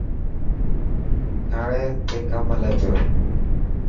ٿانڙي تي ڪم هلي پيو.